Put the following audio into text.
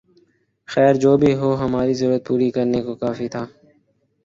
خیر جو بھی ہو ہماری ضرورت پوری کرنے کو کافی تھا